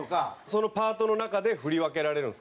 そのパートの中で振り分けられるんですけど。